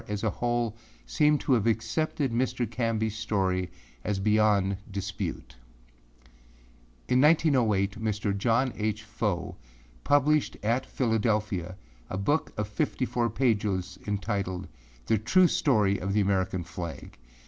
as a whole, seem to have accepted Mr. Canbyâs story as beyond dispute. In 1908, Mr. John H. Fow published at Philadelphia a book of fifty four pages entitled âThe True Story of the American Flag.